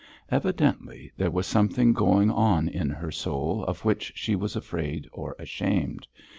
Evidently there was something going on in her soul of which she was afraid or ashamed.